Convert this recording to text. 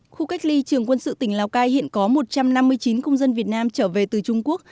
khu cách ly trường quân sự tỉnh lào cai hiện có một trăm năm mươi chín công dân việt nam trở về từ trung quốc